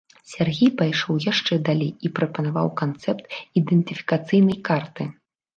Сяргей пайшоў яшчэ далей і прапанаваў канцэпт ідэнтыфікацыйнай карты.